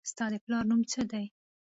ستا د پلار نوم څه دي